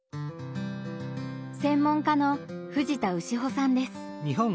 専門家の藤田潮さんです。